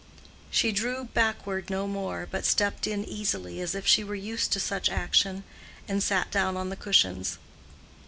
She drew backward no more, but stepped in easily, as if she were used to such action, and sat down on the cushions.